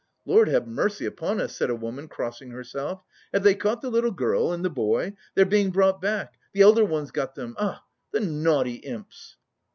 "Lord have mercy upon us," said a woman, crossing herself. "Have they caught the little girl and the boy? They're being brought back, the elder one's got them.... Ah, the naughty imps!"